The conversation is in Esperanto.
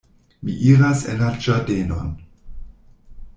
Mi iras en la ĝardenon.